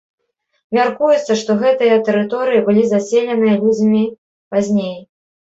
Мяркуецца, што гэтыя тэрыторыі былі заселеныя людзьмі пазней.